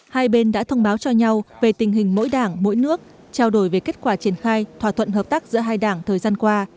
hai bên đã thông báo cho nhau về tình hình mỗi đảng mỗi nước trao đổi về kết quả triển khai thỏa thuận hợp tác giữa hai đảng thời gian qua